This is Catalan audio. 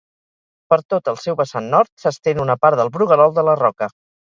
Per tot el seu vessant nord s'estén una part del Bruguerol de la Roca.